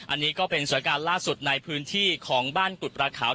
อันนี้ก็เป็นสถานการณ์ล่าสุดในพื้นที่ของบ้านกุฎประขาว